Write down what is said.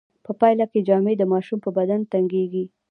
په پایله کې جامې د ماشوم په بدن تنګیږي.